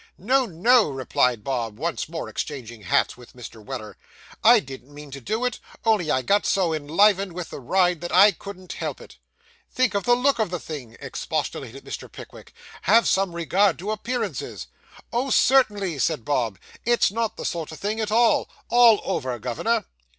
'No, no,' replied Bob, once more exchanging hats with Mr. Weller; 'I didn't mean to do it, only I got so enlivened with the ride that I couldn't help it.' 'Think of the look of the thing,' expostulated Mr. Pickwick; 'have some regard to appearances.' 'Oh, certainly,' said Bob, 'it's not the sort of thing at all. All over, governor.